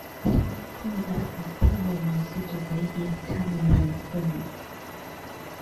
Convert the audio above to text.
Yapo mabarafu makubwa yenye uzito wa zaidi ya tani milioni kumi